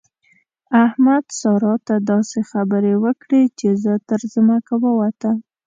احمد؛ سارا ته داسې خبرې وکړې چې زه تر ځمکه ووتم.